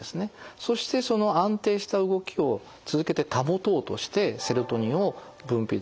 そしてその安定した動きを続けて保とうとしてセロトニンを分泌する。